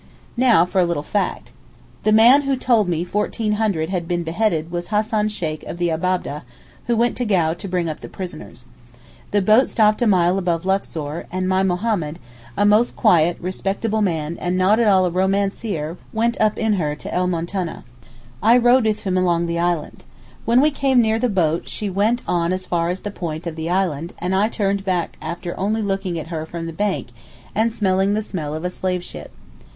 Now for a little fact. The man who told me fourteen hundred had been beheaded was Hassan Sheykh of the Abab'deh who went to Gau to bring up the prisoners. The boat stopped a mile above Luxor, and my Mohammed, a most quiet respectable man and not at all a romancer went up in her to El Moutaneh. I rode with him along the Island. When we came near the boat she went on as far as the point of the Island, and I turned back after only looking at her from the bank and smelling the smell of a slave ship.